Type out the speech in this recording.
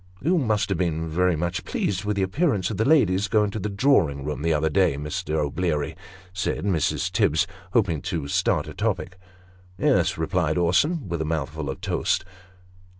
" You must have been very much pleased with the appearance of the ladies going to the Drawing room the other day, Mr. O'Bleary ?" said Mrs. Tibbs, hoping to start a topic. " Yes," replied Orson, with a mouthful of toast.